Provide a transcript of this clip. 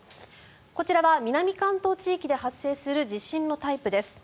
こちらは南関東地域で発生する地震のタイプです。